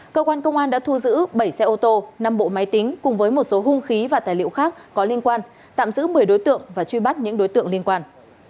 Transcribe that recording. cơ quan công an đã thu giữ bảy xe ô tô năm bộ máy tính cùng với một số hung khí và tài liệu khác có liên quan tạm giữ một mươi đối tượng và truy bắt những đối tượng liên quan